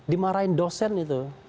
dimarahin dosen itu